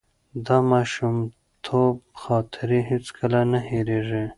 د ماشومتوب خاطرې هیڅکله نه هېرېږي.